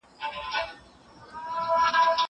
زه به سبا زدکړه کوم!!